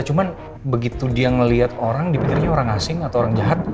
cuman begitu dia melihat orang dipikirnya orang asing atau orang jahat